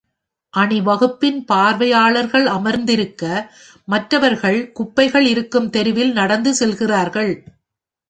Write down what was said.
அணிவகுப்பின் பார்வையாளர்கள் அமர்ந்திருக்க, மற்றவர்கள் குப்பைகள் இருக்கும் தெருவில் நடந்து செல்கிறார்கள்.